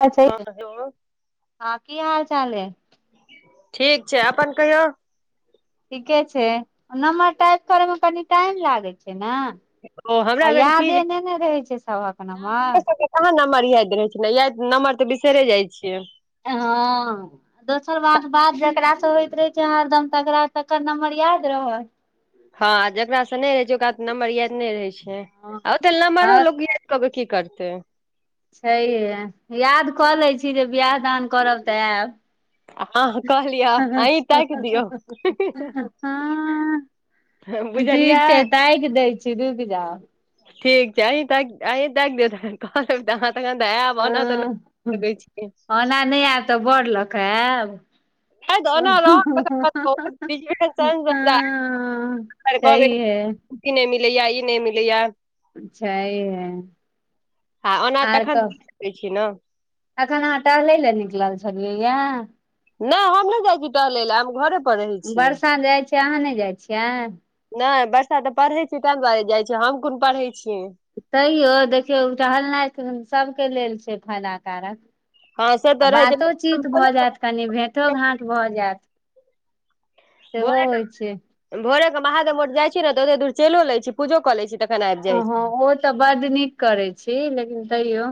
अच्छा हँ हेलो [inaudible] हँ की हाल चाल है? ठीक छै अपन कहियौ। ठीके छै नम्बर टाइप करेमे कनि टाइम लागे छै ओ न हमरा भेल की यादे जे नै न रहै छै सभहक नहि हम हमरा नम्बर। सबके कहाँ नम्बर याइद रहे छै न नम्बर तऽ बिसैरे जाइ छियै। हँ दोसर बात, बात जकरा से होइत रहै छै हरदम तकरा तकर नम्बर याद रहत हँ जेकरा से नहि रहै छै ओकरा त नम्बर याइद नहि रहै छै हँ आ ओते नम्बरो बात लोक य कब की करतेै छैे ये याद कऽ लै छी जे बिआह दान करब तऽ आयब अहाँ कहलियै हँ। अहीं ताकि दियौ [inaudible] ठीक छै बुझलियै ताकि दै छी रूकि जाव ठीक छै आ ताकि दे [inaudible] तेहन त ऐब ओना तऽ [inaudible] हँ लगय छै। ओना नहि आयब तऽ बर लकेँ आएब? नहि ओना रह [inaudible] छैहे छुट्टी नै मिलैया ई नै मिलैया छैहे आ ओना तखन रहि सकै छी न अखन अहाँ टहले लए निकलल छलियै यए नहि हमरा जाइ छी तऽ लै घर बरसा जाइत छैियै अहाँ नहि जाइ छियै, नहि बरसा तऽ पढ़ै छै ताहि दुआरे जाइत छै हम कोन पढ़ै छियै, तैयो देखियौ टहलनाइ सभके लेल छै फायदा कारक हँ से आ तऽ रहै छै बातोचीत भोरे भऽ जायत कनि भेटो घाँट भऽ जायत सेहोहो होइ छै, भरे के महादेव मंठ जाइ छी न तऽ एते दूर च‌इलो ल‌ए छी पूजो क ल छी, तखन आबि हँ जाइ हँ छी ओ तऽ बड्ड नीक करै छी लेकिन तैयो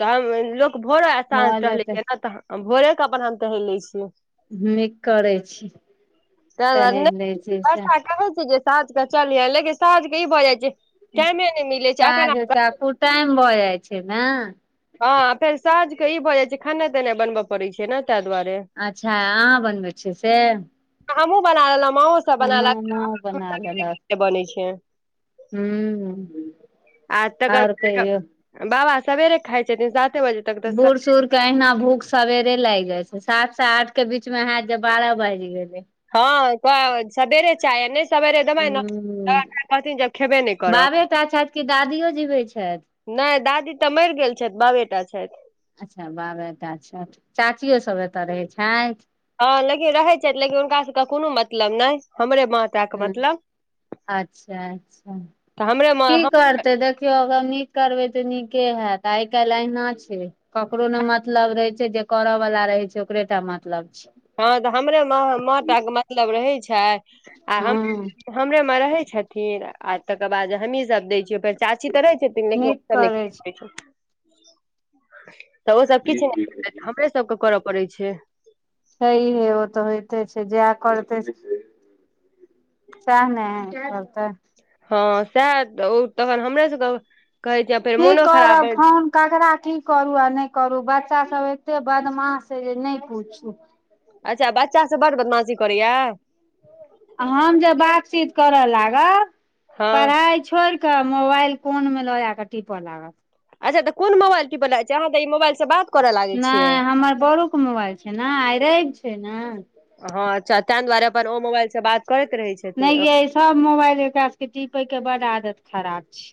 तऽ हम लोक भोरे साझ भऽ टहलै जेतै छै नऽ तऽ भोरे कऽ अपन हम टहैल ले छियै निक करै छी ताहि दुआरे नहि टहैल लय छी से वर्षा कहै छै जे साँझ कऽ चलिये लेकिन साँझ केँ ई भऽ जाइ छै टाइमे नय मिलै छै एखन काज टाइम भऽ जाइ छै नऽ हँ फेर साँझ कऽ ई भऽ जाइ छै खेनाइ तेनाइ बनबय पड़ै छै न तैय दुआरे अच्छा। अहाँ बनबै छियै से हमहुँ बना लेलो माँओ सब हमर माँ बना बनेलक [unintelligible] बनै छै हुँ आ तकर बाद बाबा सबेरे खाइ छथिन साते बजे तक तऽ बुड़ - सुड़ कहिना भूख सबेरे लाइग जाइ छै सात से आठ केँ बीच मे हैत जे बारह बाइज गेलै हँ कऽ सबेरे चाय नै सबेरे दबाइ न तऽ हूँ अखैन कहथिन जे खेबे नय करब केओ जीबै छैथ नहि दादी तऽ मैर गैल छथि बाबे टा छैथ अच्छऽ बाबेटा छैथ चाचियो सब एतय रहै छैथ हँ लेकिन रहै छै लेकिन हुनका सब कऽ कोनो मतलब नय हमरे माँ टा के हुँ मतलब अच्छऽ अच्छऽ तऽ हमरे माँ की कर तै देखियौ अगर नीक करबै तऽ नीके हैत आइ काइल अहिना छै, ककरो नऽ मतलब रहे छै जे करऽ वला रहे छै ओकरेटा मतलब छै, हँ तऽ हमरे माँ- माँ टा कऽ मतलब रहै छै आ हम हँ हमरे मऽ रहे छथिन आ तकर बाद हमही सब दै छियै ओय पर चाची तऽ रहे छ थिन लेकिन नीक ओकर नय करै किछ छै लैय छथिन तऽ ओ सब किछ नय देतैथ [unintelligible] सब कऽ करऽ पड़ै छै, छईहे ओ तऽ होइते छै जाह करते सैह न करतै हँ सैह तऽ उ तऽ हमरे सबके कहै छै फेर की मोनो खराब करब अइ फोन ककरा की करू आ नय करू बच्चा सब एते बदमाश छै जे नय पूछू अच्छा बच्चा सब बड़ बदमाशी करै य आ हम जे बातचीत करऽ लागब हँ पढ़ाई छोड़ कऽ मोबाइल कोन मे लऽ आ क टिपर लागत अच्छा तऽ कोन मोबाइल टिपऽ लागै छै अहाँऽ ई मोबइल सँ बात करऽ लागै छियै नय हमर बड़ो केँ मोबाइल छै नऽ आइ रवि छै नऽ हँ अच्छा तैय दुआरे अपन ओ मोबाइल सँ बात करैत रहे छै। नय यै सब मोबाइल एकरा सबके टी पै केँ बड आदत खराब छै।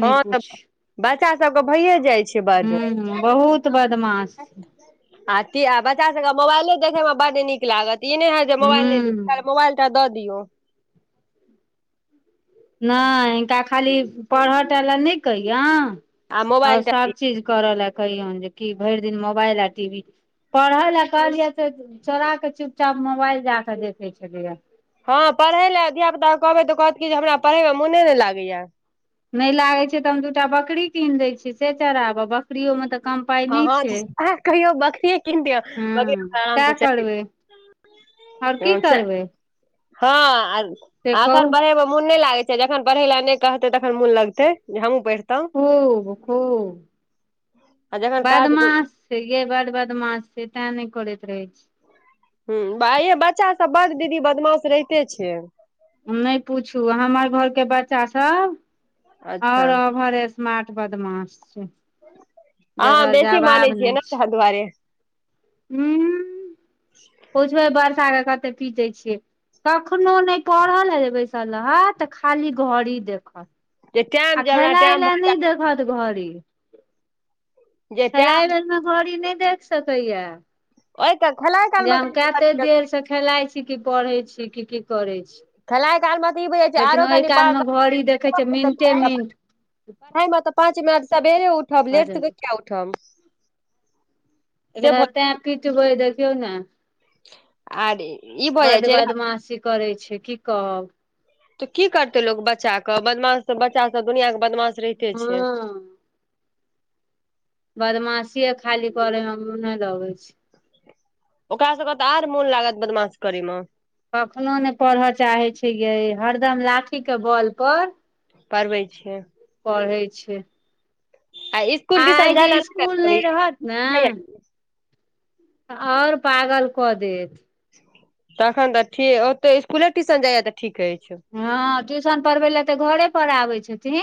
नहि हँ तऽ पूछ बच्चा सब कऽ भइये जाइ छै, बड्ड हुँ - हुँ बहुत बदमाश आती आ बच्चा सबकेँ मोबाइले देखे मे बड नीक लागत, तऽ ई नय होय जे मोबइल नऽ दू हूं खाली मोबाइल टा दऽ दियौ नय हिनका खाली पढ़ऽ टा लऽ नय कहियौन आ आओर मोबाइल टा दियौ। सभचीज करऽ लए कहियौन जेकि भैर दिन मोबाइल आ टीवी, पढ़ैल लऽ कहलिये त चोरा कऽ चुपचाप मोबाइल जा कऽ देखे छलैय हँ पढ़य लए धिया पुतााक कहबै तऽ कहत कि जे हमरा पढ़य मे मोने नय लागै य नै लागै छै तऽ हम दू टा बकरी कीन दै छी से चराब बकरियो मे तऽ कम पाइ हँ नै हँ छै। अहाँ कहियो बकरिये कीन दियौ हूँ बकरी आराम सएह से चल करबै आओर की करबै हँ से कहू एखन बढ़ै मे मुन नै लागै छै, जखन पढ़ै लए नै कहतै तखन मुन लगतै जे हमहूँ पढ़ितौं खूब खूब आ जखन काज बादमास यै बड बदमास छै तें नै करैत रहै छी, हूँ यै ब बच्चा सब बड दीदी बदमाश रहिते छै नै पूछू हमर घर के बच्चा सब अच्छा आओर औभर ए स्मार्ट बदमाश छै अहाँ जकर बेसी मानै जवाब छियै नै ने छै, ताहि दुआरे ऊँ पूछबै बर्षा के कते पीटै छियै कखनो नै पढ़ला जे बैसल रहत तऽ खाली घड़ी देखत जे आ टाइम जे हमरा टाइम खेलायला नै देखत घड़ी जे खेलाइ टाइम बेर मे घड़ी नै देख सकैया एकत खला [unintelligible] जे हम काते देर से खेलाय छी कि पढ़ै छी कि की करै छी, खलाय कालमे त ई बुझै छियै लेकिन ओहि काल मे घड़ी देखै छै मिनटे मिनट [unintelligible] पढ़ाइ मे तऽ पाँच मिनट सबेरे उठब भऽ लेट जाय त छै, किया उठब से एकरा भ तैं पीटबै दखियौ न अरे ईप बड बदमासी करै छै की कहब। तऽ की करतै लोग बच्चाक बदमाश त बच्चा दुनियाँक बदमाश रहिते छै, हँ बदमाशीे खाली करे मे मुने लगै छै, ओकरा सबके तऽ आर मो लागत बदमाशी करै मे कखनो नै पढ़य चाहै छैयै हरदम लाठी के बल पर पढ़बै छियै। पढ़ै छै। आ इसकुल टिसन आइ जे जायला नै स्कुल नहि रहत ने [unintelligible] आओर पागलकदेथ तखन तऽ ठीक ओतै इसकुले टिशन जाइया तऽ ठीक एछै, हँ ट्यूशन पढ़बै लए तऽ घरे पर आबै छथिन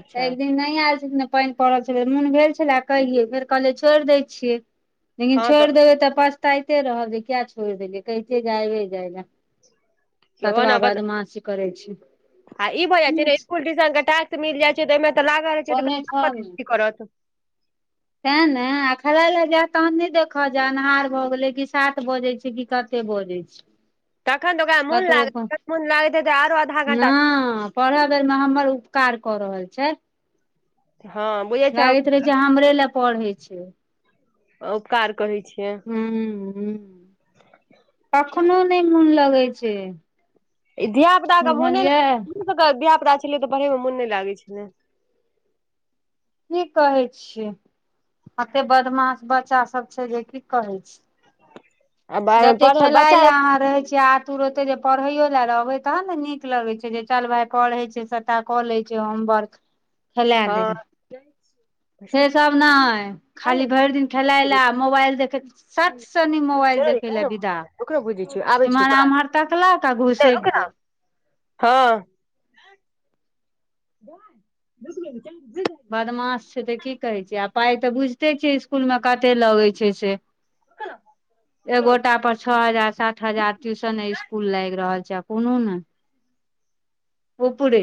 अच्छा एक दिन नै आयल छलखिन पानि पड़ल छै मुन भेल छलए कहिये फेर कहलियै छोड़ि दै छियै लेकिन छोड़ि देबै तऽ पछताइते रहब जे किया छोड़ि देलियै कहितियै जे आबे जाइ लए ततवा ओना बद बदमासी करै छै आ ई भऽ जाइ छै ने इसकुल टीशन के टास्क मिल जाइ छै तऽओईमे तऽ लागल रहै छै कोने त छहमे [unintelligible] करत तें ने आ खलायला जायत तहन नै देखतऽ जे अन्हार भए गेले कि सात बजै छै किकाते बजै छै तखन तऽ ओकरा मुन कतबो लागत मुन लागैत हेतै जे आरो आधा घंटा पढ़ बेर मे हमर उपकार कऽ रहल छै। हँ बुझै छै लागैत रहै छै हमरे लए पढ़ै छै उपकार कहै छियै। हूँ हूँ कखनो नै मुन लगै छै ई धिया पुताके मुने ने बुझलियै [unintelligible] धिया पुता छलियै तऽ पढ़ै मे मुन नै लागै छलै। की कहे छियै [inaudible] एते बदमाश बच्चा सब छै जे की कहै छी आ जते पढ़ खेलाय बच्चा ले अहाँ रहै छीयै आ तुर ओते जे पढ़ैयो लए रहबै तहन न नीक लगै छै जे चल भाय पढ़ै छै सबटा कऽ लै छै होमवर्क [unintelligible] हँ दही [unintelligible] से सब नै खाली भैर दिन खेलाय लए आ मोबाइल देखे सत सन ई मोबाइल देखै लऽ विदा ओकरो बुझै छियौ आबै छियौ इम्हर तोरा आम्हर तकलक आ घुसैक गेल हऽ [unintelligible] बदमास छै तऽ की कहे छी आ पाय तऽ बुझ - ते छै इसकुल में कते लगै छै से [inaudible] एगोटा पर छओ हजार सात हजार ट्यूशने इसकुल लाइग रहल छै आ कोनो नै ऊपरे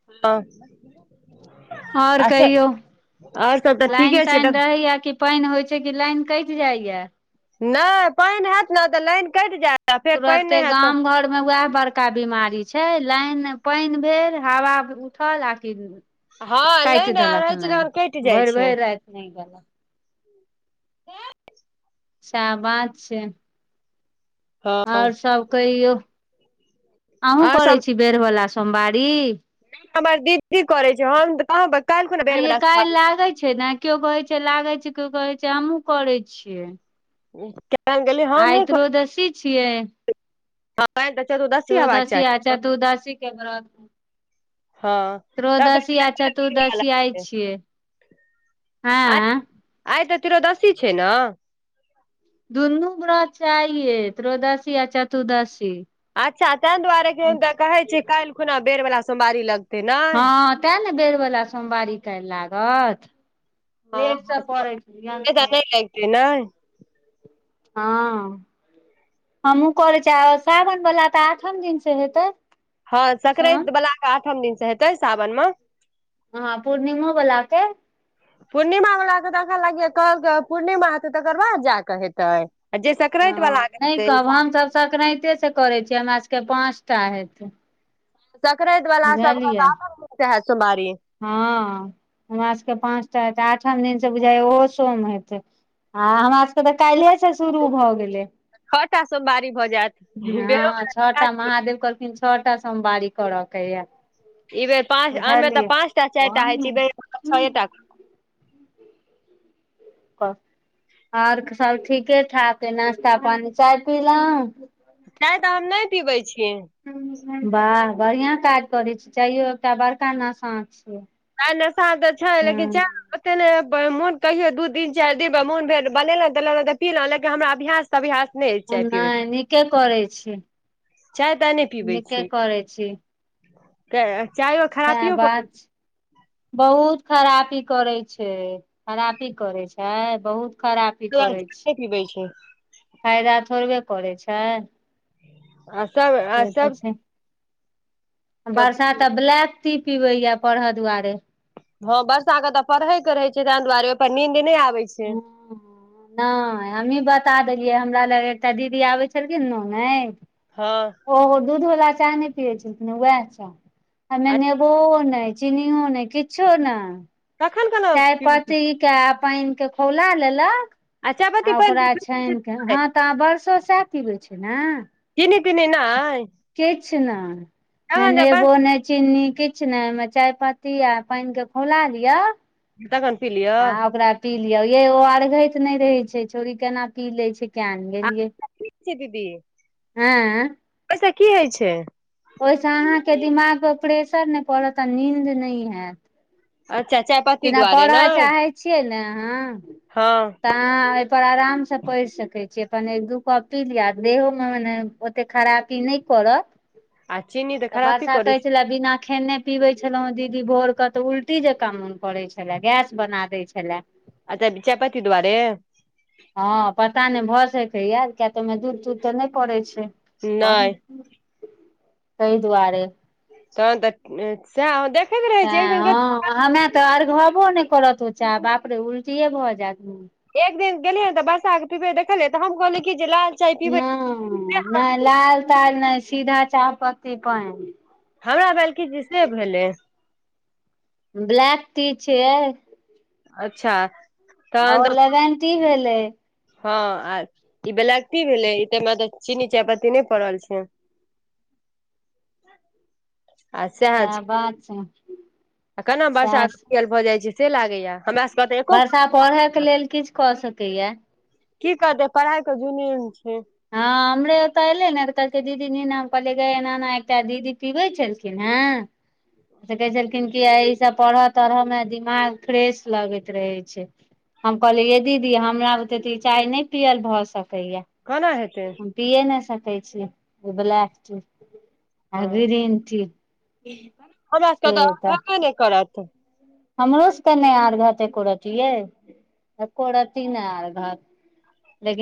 [unintelligible] और कहियौ और सब तऽ लाइन ठीके छै ताइन देख रहया की पाइन होइ छै की लाइन काइट जाएय न पाइन हैत न तऽ लाइन कइट जायत आ फेर पानि तुरते नहि हैत गाम तऽ घर में वएह बड़ -का बीमारी छै लाइन पाइन भेल हवा उठल आ कि हँ काइट लाइन आर दलक रहै छै लाइन तखन कटि जाइ भैर छै भैर राइत नै दलक [unintelligible] सैह बात छैय हँ और सब कहियौ [inaudible] अहु आर करै सब छी बेर वला सोमवारी हमर दीदी करै छै हम तऽ कहाँ काल्हि खुना बेर आँइ यै बेरा काइल लागैय छै न केयो कहे छै लागे छै केओ कहे छै हमहुँ करै छियै [unintelligible] हम आइ नहि त्रयोदसी छियै काइल तऽ चतुर्दसी हेबाक त्रयोदशी चाही आ न चतुर्दशी के [inaudible] हा त्रोयदशी आ चतुर्दशी आय छियै [inaudible] आइ तऽ त्रयोदशी छै न दुनू वर्त छै आइए त्रोयदशी आ चतुर्दशी अच्छा तें दुआरे केदैन तऽ कहे छी काइल खुना बेर वला सोमवारी लग हँ तै न बेर वला सोमवारी काइल लागत हँ लेट से हँ परय छिये [unintelligible] [unintelligible] हऽ हमहुँ करै छी आ सावन वला तऽ आठम दिन से हेतै हँ सोम संक्राइत बला कऽ आठम दिन से हेतै सावन मे हऽ पूर्णिमो बला केँ पूर्णिमा वाला कऽ तऽ अखन लाग कहलक पूर्णिमा हेतै तकर बाद जा कऽ हेतै आ जे संक्रान्ति हऽ वला के नै हेतै कहब हम सभ संकरान्ते से करै छीयै हमरा सब केँ पाँच टा हेते संक्रांत वला सब कऽ तऽ आठम दिन से हैत सोमवारी हँ हमरा सभ कऽ पाँचटा हेते आठम दिन से बुझाय ओहो सोम हेतै [inaudible] से तऽ काइलहे से शुरू भ गेले छओ टा सोमवारी भऽ जायत बेरो छओ वला टा महादेव कहलखिन छओ टा सोमवारी करऽ के या ई बेर पाँच आन मे तऽ पाँच टा चाइरटा ओहन होइ छै बे ने छटा ओर सब ठीके ठाक नाश्ता पानी चाय पिलो नय तऽ हम नय पीबै छिय वाह बढ़िआँ काज करै छी चहियो एकटा बड़का नशा छियै चाय नसा तऽ छै लेकिन हँ च ओते नय मोन कहियो दू दिन चारि दिन पर मोन भेल बनेलहु देल तऽ पिलो लेकिन हमरा अभ्यास अभ्यास नैय चाय पि व क नहि नीके करै छी चाय ताय नय पीबै नीके छी करै छी तऽ चाय सएह बात बहुत खरापी करै छै खरापी करै छय बहुत खरापी करै छै [inaudible] पिबै छै फायदा थोड़बे करै छै अ सब अ सब बर्षा तऽ ब्लैक टी पिबै या पढ़य दुआरे हँ वर्षा के तऽ परहे के रहैत छै तइ दुआरे ओइ पर नींद नय आबै छै नय हमही बता देलियै हमरा लग एकटा दीदी आबै छलखिन ने ने हँ ओहो दूध वाला चाय ने पियए छलखिन वएह चाय ओहमे आ नेबो ने चिनीओ नय किछु ने तखन केना चाय पीबै छी पत्ती के पाइन के खौला लेलक चायपत्ती आ ओकरा पानि छान केे हँ तऽ आ बरसो सएह पिबै छै न चीनी तीनी नाय किछ नय ना बस नेबो नइ चीनी किछु ने मे चाय पत्ती आ पाइन के खौला लिअ तखन पी लियै आ ओकरा पी लियौ ये ओ अर्घैत नय रहै छै छोरी केना पी ले छै क्या ने गेलियै जी दीदी ऐं ओइ स की होइ छय ओइसँ अहाँके दिमाग पर प्रेशर नइ पड़त आ नींन्द नय हैत अच्छा चाय [inaudible] जेना पढ़ऽ चाहै छियै ने अहाँ हँ तऽ अहाँ ऐ पर आराम से पइढ़ सकै छीयै अपन एक दू कॉपी लि देहो मे मने ओते खरापी नय करत आ चीनी तऽ तऽ खरापी वर्षा करै कहै छै छल बिना खेने पीबे छलॅं दीदी भोर के तऽ उल्टी जका मन करै छला गैस बना दै छला [unintelligible] चायपति दआारे हँ पता नय भर सके याद किया तऽ ओहिमे दूध तूध तऽ नय पड़ै छै पढ़ नहि तैई दुआरे तहन तऽ से अहा देख सए हँ हमे तऽ अरघबो नय करत च बाप रे उल्टिए भऽ जायत एक दिन गेलिय हँ तऽ बर्षा पिबे देखले तऽ हम कहलै कि जे लाल चाय पीबै नय नय लाल ताल नय सीधा चाह पत्ती पान हमरा भेल की जे से भेलै ब्लैक टी छियै, अच्छा। आ ओ तहन तऽ लेमन टी भेलै, हँ आ ई ब्लैक टी भेलै ई मे तॅं चीनी चायपत्ती नहि पड़ल छै। आ सएह सैह छै बात छै। आ केना सएह वर्षाके पियल भऽ जाइ छै से लागैए हमरा सबके तऽ एको वर्षा पढ़यके लेल किछु कऽ सकैया की करतै पढ़ाइके जुनून छै। हँ हमरे ओतऽ एले न तॅं कहलकै दीदी नेने आउ तॅं हम कहलियै गैय एकटा दीदी पिबै छल खिनहेॅं। से कहै छलखिन कि ई सभ पढ़य-तढ़यमे दिमाग फ्रेश लगैत रहै छै हम कहलियै यै दीदी हमरा बुते तॅं ई चाय नहि पियल भऽ सकैए कोना हेतै? पीये नहि सकै छी ब्लैक-टी आ हँ ग्रीन-टी हमरा सबके से तऽ तॅं अनबे नहि करत हमरो सभके नहि अरघत एको रति यै एको रती नहि अरघत लेकिन-